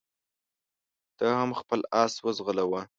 ته هم خپل اس وځغلوه.